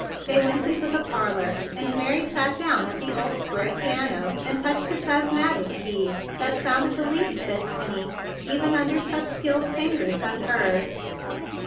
They went into the parlor; and Mary sat down at the old square piano, and touched its asthmatic keys that sounded the least bit tin panny even under such skilled fingers as hers.